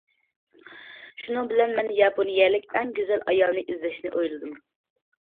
شۇنىڭ بىلەن مەن ياپونىيەلىك ئەڭ گۈزەل ئايالنى ئىزدەشنى ئويلىدىم.